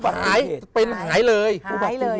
หายหายจริง